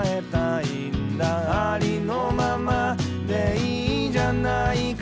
「ありのままでいいじゃないか」